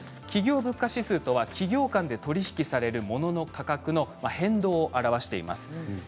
企業物価指数とは企業間で取り引きされる物の価格の変動を表しています。